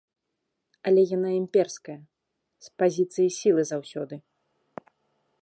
Але яна імперская, з пазіцыі сілы заўсёды.